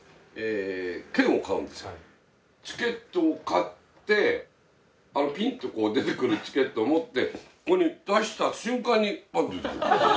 チケットを買ってピンッてこう出てくるチケットを持ってここに出した瞬間にパッと出てくる。